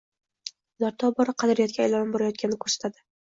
Bular tobora qadriyatga aylanib borayotganini koʻrsatadi